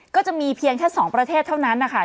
ก็จะมีเพียงแค่๒ประเทศเท่านั้นนะคะ